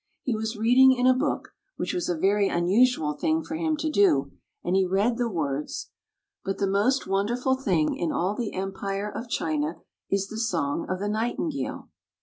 He was reading in a book — which was a very unusual thing for him to do — and he read the words, " But the most wonderful thing in all the Empire of China, is the song of the Nightingale."